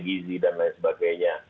gizi dan lain sebagainya